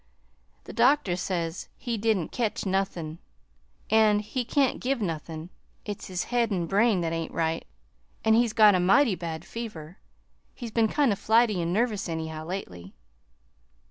The doctor says he didn't ketch nothin', an' he can't give nothin'. It's his head an' brain that ain't right, an' he's got a mighty bad fever. He's been kind of flighty an' nervous, anyhow, lately.